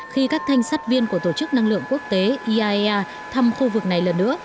khi các thanh sát viên của tổ chức năng lượng quốc tế iaea thăm khu vực này lần nữa